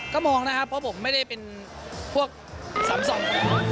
ก็มองนะครับเพราะผมไม่ได้เป็นพวกสามส่อง